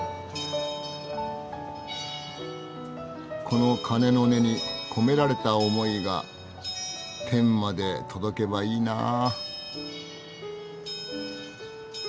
この鐘の音に込められた思いが天まで届けばいいなぁ。